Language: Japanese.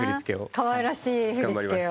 かわいらしい振り付けを。